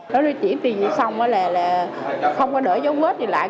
nói đi chuyển tiền xong là không có đỡ dấu vết gì lại